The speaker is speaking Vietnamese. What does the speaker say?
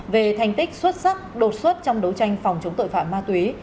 về thành tích xuất sắc đột xuất trong đấu tranh phòng chống tội phạm ma túy